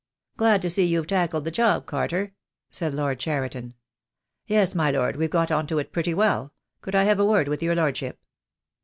"Glad to see you've tackled the job, Carter," said Lord Cheriton. "Yes, my lord, we've got on to it pretty well. Could I have a word with your lordship?"